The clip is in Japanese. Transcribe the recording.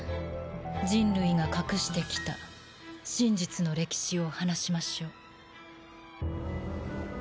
人類が隠してきた真実の歴史を話しましょう。